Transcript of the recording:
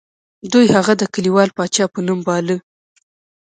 دوی هغه د کلیوال پاچا په نوم باله.